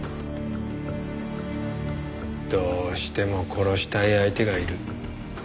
どうしても殺したい相手がいる。